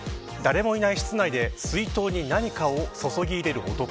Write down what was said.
誰もいない室内で水筒に何かを注ぎ入れる男。